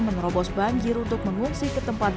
menerobos banjir untuk mengungsi ke tempat